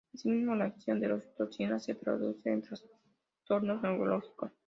Asimismo, la acción de las toxinas se traduce en trastornos neurológicos.